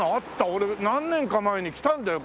俺何年か前に来たんだよ